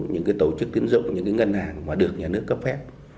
những cái tổ chức tiến dụng những cái ngân hàng mà được nhà nước cấp phép